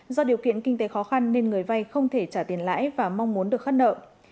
do điều kiện kinh tế khó khăn nên người vay không thể trả tiền lãi và mong muốn được khắt nợ